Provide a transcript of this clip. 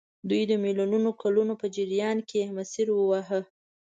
دوی د میلیونونو کلونو په جریان کې مسیر وواهه.